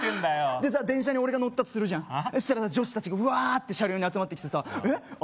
でさ電車に俺が乗ったとするじゃんそしたら女子達がうわって車両に集まってきてさあ